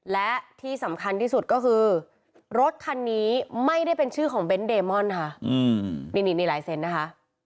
และที่สำคัญที่สุดก็คือรถคันนี้ไม่ได้เป็นชื่อของเบนท์เดมอนค่ะนี่หลายเซนต์นะคะ